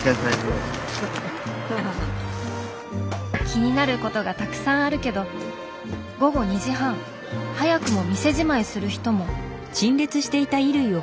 気になることがたくさんあるけど午後２時半早くも店じまいする人も。